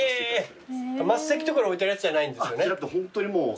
升席とかに置いてるやつじゃないんですよね？